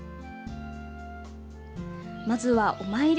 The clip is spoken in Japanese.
まずは、お参り。